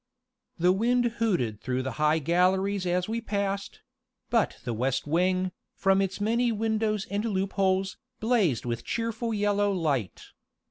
The wind hooted through the high galleries as we passed; but the west wing, from its many windows and loopholes, blazed with cheerful yellow light.